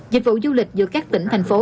dịch vụ du lịch giữa các tỉnh thành phố